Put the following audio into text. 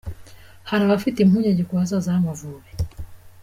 Hari abafite impungenge ku hazaza h’Amavubi